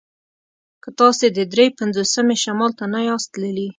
که تاسې د دري پنځوسمې شمال ته نه یاست تللي